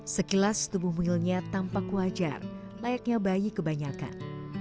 sekilas tubuh mungilnya tampak wajar layaknya bayi kebanyakan